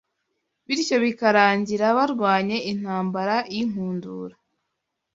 bityo bikarangira barwanye intambarayinkundura